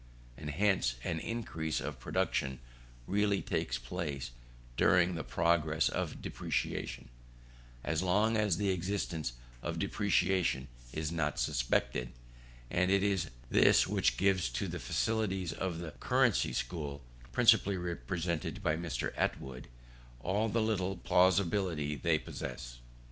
And hence, an increase of production really takes place during the progress of depreciation, as long as the existence of depreciation is not suspected; and it is this which gives to the fallacies of the currency school, principally represented by Mr. Attwood, all the little plausibility they possess.